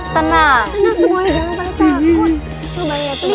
tenang semua jangan takut